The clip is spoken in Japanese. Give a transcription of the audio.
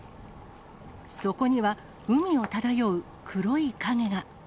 そこには、海を漂う黒い影が。